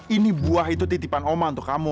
ini buah itu titipan oma untuk kamu